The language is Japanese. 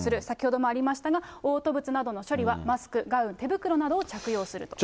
先ほどもありましたが、おう吐物などの処理は、マスク、ガウン、手袋などを着用する。